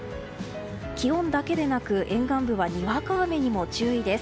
気温だけでなく沿岸部はにわか雨にも注意です。